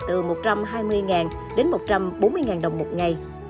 từ một trăm hai mươi đến một trăm bốn mươi đồng một ngày